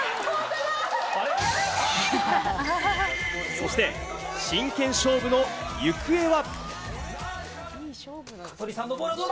そして真剣勝負の行方は。